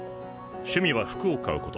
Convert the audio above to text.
趣味は服を買うこと。